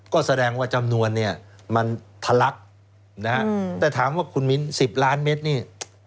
ก็แสดงว่าจำนวนเนี่ยมันทะลักนะฮะแต่ถามว่าคุณมิ้น๑๐ล้านเมตรนี่